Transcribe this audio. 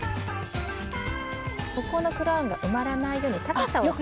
ここのクラウンが埋まらないように高さをそろえる。